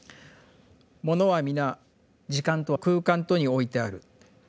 「ものはみな時空と空間とにおいてある。